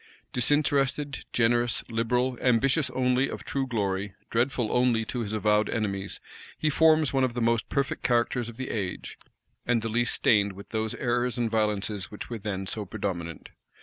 Disinterested, generous, liberal; ambitious only of true glory, dreadful only to his avowed enemies; he forms one of the most perfect characters of the age, and the least stained with those errors and violences which were then so predominant.